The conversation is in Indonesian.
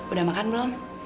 udah makan belum